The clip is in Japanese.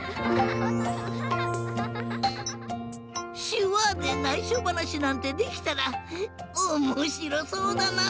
しゅわでないしょばなしなんてできたらおもしろそうだな！